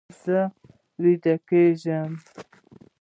زه ویده کیږم